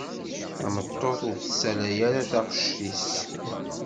Tameṭṭut ur tessalay ara taɣect-is.